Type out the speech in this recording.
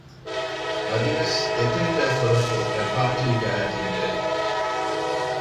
އަދިވެސް ދެތިން ބޭފުޅަކު އެޕާޓީގައި ތިއްބެވި